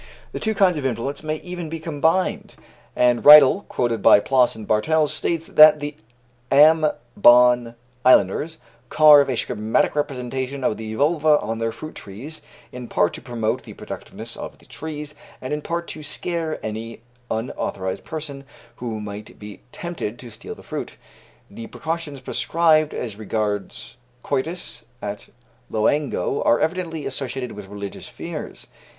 The two kinds of influence may even be combined, and Riedel, quoted by Ploss and Bartels, states that the Ambon islanders carve a schematic representation of the vulva on their fruit trees, in part to promote the productiveness of the trees, and in part to scare any unauthorized person who might be tempted to steal the fruit. The precautions prescribed as regards coitus at Loango are evidently associated with religious fears.